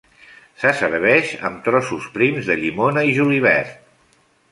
Se serveix amb trossos prims de llimona i julivert.